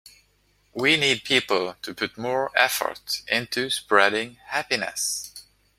We need people to put more effort into spreading happiness.